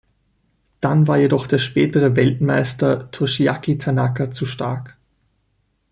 Dann war jedoch der spätere Weltmeister Toshiaki Tanaka zu stark.